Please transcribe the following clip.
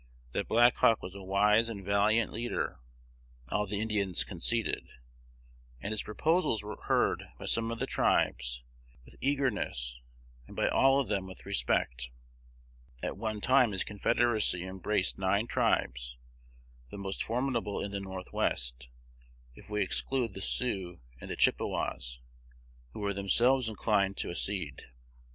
That Black Hawk was a wise and valiant leader, all the Indians conceded; and his proposals were heard by some of the tribes with eagerness, and by all of them with respect. At one time his confederacy embraced nine tribes, the most formidable in the North west, if we exclude the Sioux and the Chippewas, who were themselves inclined to accede.